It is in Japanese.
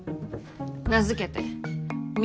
名付けて。